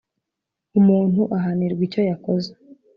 Umuntu ahanirwa icyo yakoze